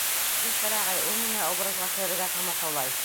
Зөлфәр ағай, ул миңә образға керергә ҡамасаулай!